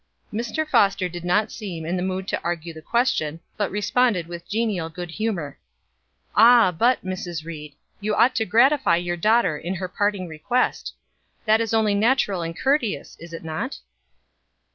Mr. Foster did not seem in the mood to argue the question, but responded with genial good humor. "Ah but, Mrs. Ried, you ought to gratify your daughter in her parting request. That is only natural and courteous, is it not?"